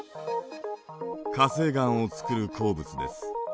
火成岩をつくる鉱物です。